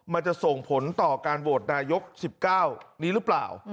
มันจะส่งผลต่อการโหวตนายก๑๙นี้หรือเปล่า